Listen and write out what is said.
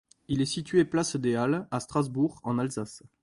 Il est situé place des Halles, à Strasbourg, en Alsace.